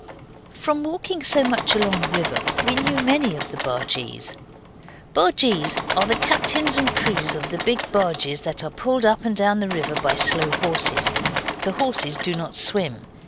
From walking so much along the river we knew many of the bargees. Bargees are the captains and crews of the big barges that are pulled up and down the river by slow horses. The horses do not swim.